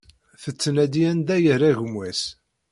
Tettnadi anda i yerra gma-s.